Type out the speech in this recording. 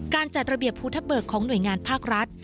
จัดระเบียบภูทะเบิกของหน่วยงานภาครัฐ